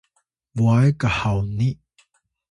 bway khawni